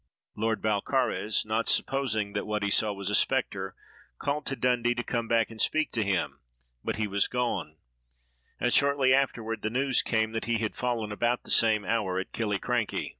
Lord Balcarres, not supposing that what he saw was a spectre, called to Dundee to come back and speak to him, but he was gone; and shortly afterward the news came that he had fallen about that same hour at Killicranky.